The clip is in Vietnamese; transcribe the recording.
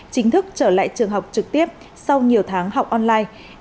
chính thức trở lại trường học trực tiếp sau nhiều tháng học online